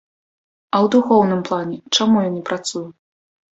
А ў духоўным плане чаму ён не працуе?